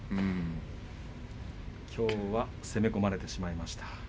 きょうは攻め込まれてしまいました。